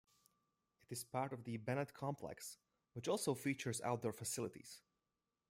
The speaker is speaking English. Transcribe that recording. It is part of the Bennett Complex, which also features outdoor facilities.